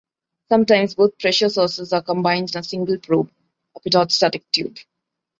Sometimes both pressure sources are combined in a single probe, a pitot-static tube.